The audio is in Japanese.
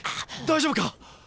大丈夫か！？